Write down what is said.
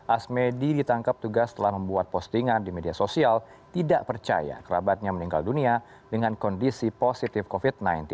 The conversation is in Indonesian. asmedi ditangkap tugas telah membuat postingan di media sosial tidak percaya kerabatnya meninggal dunia dengan kondisi positif covid sembilan belas